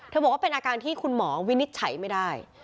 บอกว่าเป็นอาการที่คุณหมอวินิจฉัยไม่ได้